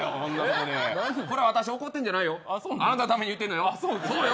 これ私怒ってんじゃないよ。あんたのために言ってんのよ。